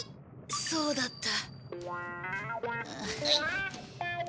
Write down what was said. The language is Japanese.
そうだった。